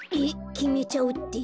きめちゃうって？